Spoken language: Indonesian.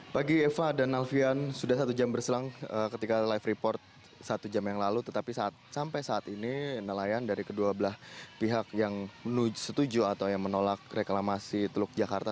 pagi eva dan alfian sudah satu jam berselang ketika live report satu jam yang lalu tetapi sampai saat ini nelayan dari kedua belah pihak yang setuju atau yang menolak reklamasi teluk jakarta